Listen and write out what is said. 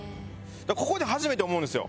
ここで初めて思うんですよ。